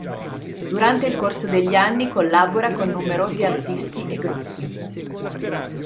Durante il corso degli anni collabora con numerosi artisti e gruppi.